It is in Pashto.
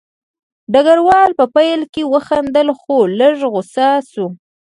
ډګروال په پیل کې وخندل خو لږ غوسه شو